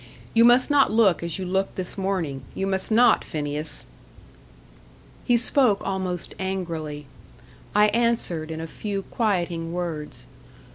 You must not look as you looked this morning. You must not, Phineas." He spoke almost angrily. I answered in a few quieting words.